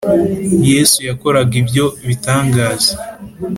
Yesu yakoraga ibyo bitangaza